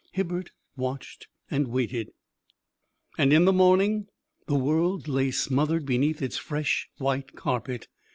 Hibbert watched and waited. And in the morning the world lay smothered beneath its fresh white carpet.